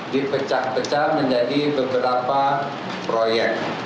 dipecah pecah menjadi beberapa proyek